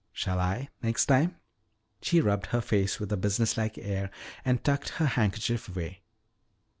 Shall I, next time?" She rubbed her face with a businesslike air and tucked her handkerchief away.